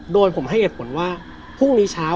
โดยผมให้เหตุผลว่าพรุ่งนี้เช้า